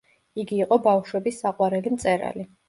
იგი იყო ბავშვების საყვარელი მწერალი.